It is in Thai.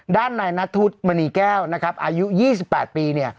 ด้านในนัททุศมณีแก้วอายุ๒๘ปี